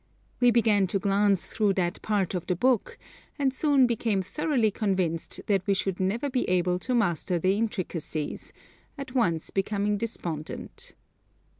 We began to glance through that part of the book, and soon became thoroughly convinced that we should never be able to master their intricacies, at once becoming despondent.